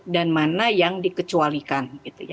dan mana yang dikecualikan